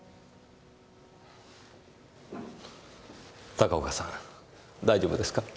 高岡さん大丈夫ですか？